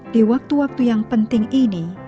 di waktu waktu yang penting ini